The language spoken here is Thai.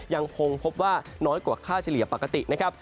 ยังคงพบว่าน้อยกว่าค่าเฉลี่ยปกตินะครับ